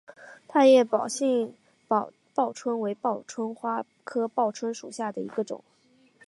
大叶宝兴报春为报春花科报春花属下的一个种。